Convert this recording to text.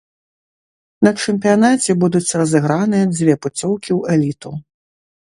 На чэмпіянаце будуць разыграныя дзве пуцёўкі ў эліту.